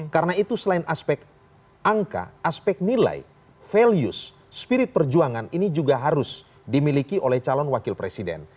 karena itu selain aspek angka aspek nilai values spirit perjuangan ini juga harus dimiliki oleh calon wakil presiden